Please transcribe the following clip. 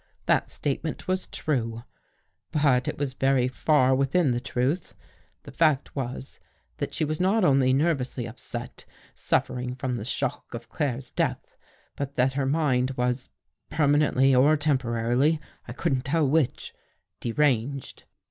) That statement was true, but it was very far within 'i the truth. The fact was that she was not only t nervously upset, suffering from the shock of Claire's | death, but that her mind was, permanently or tern | porarily, I couldn't tell which, deranged.